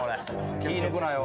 気抜くなよ。